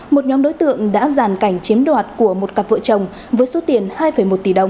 một nhóm đối tượng đã giàn cảnh chiếm đoạt của một cặp vợ chồng với số tiền hai một tỷ đồng